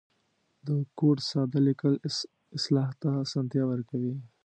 د کوډ ساده لیکل اصلاح ته آسانتیا ورکوي.